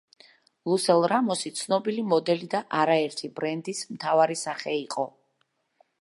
ლუსელ რამოსი ცნობილი მოდელი და არერთი ბრენდის მთავარი სახე იყო.